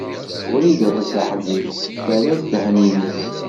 Wrida Tasaḥlit terra ddehn-nnes.